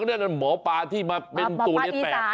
อ๋อนั้นน่ะหมอปลาที่มาเป็นตัวเล็กแตก